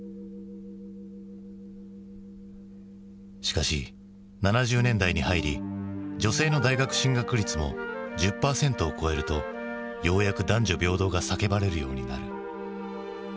しかし７０年代に入り女性の大学進学率も１０％を超えるとようやく男女平等が叫ばれるようになる。